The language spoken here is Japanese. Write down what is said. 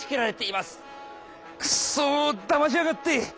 「クッソだましやがって！